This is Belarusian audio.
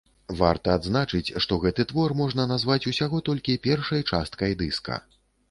Варта адзначыць, што гэты твор можна назваць усяго толькі першай часткай дыска.